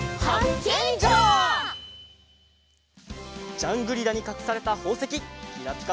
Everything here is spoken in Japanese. ジャングリラにかくされたほうせききらぴか